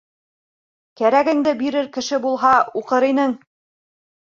Кәрәгеңде бирер кеше булһа, уҡыр инең...